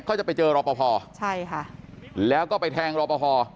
จะไปเจอรอปภใช่ค่ะแล้วก็ไปแทงรอปภ